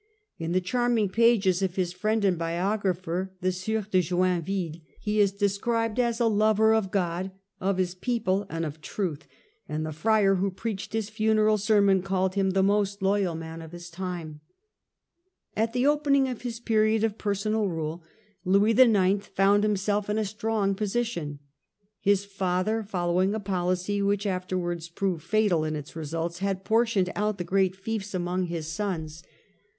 In the charming pages of his friend and biographer, the Sieur de Joinville, he is described as a lover of God, of his people, and of truth, and the friar who preached his funeral sermon called him " the most loyal man of his time." At the opening of his period of personal rule Louis IX. found himself in a strong position. His father, follow ing a policy which afterwards proved fatal in its results, had portioned out the great fiefs among his sons.